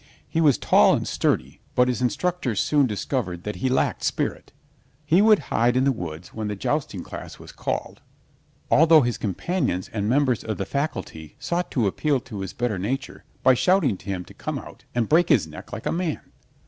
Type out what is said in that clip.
He was tall and sturdy, but his instructors soon discovered that he lacked spirit. He would hide in the woods when the jousting class was called, although his companions and members of the faculty sought to appeal to his better nature by shouting to him to come out and break his neck like a man.